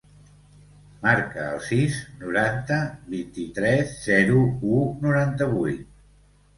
Marca el sis, noranta, vint-i-tres, zero, u, noranta-vuit.